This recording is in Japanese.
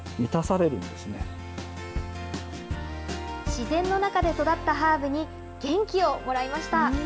自然の中で育ったハーブに、元気をもらいました。